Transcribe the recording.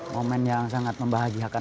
momen yang sangat membahagiakan